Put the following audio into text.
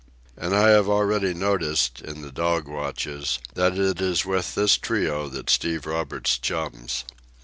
And I have already noticed, in the dog watches, that it is with this trio that Steve Roberts chums.